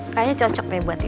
kayaknya cocok deh buat ya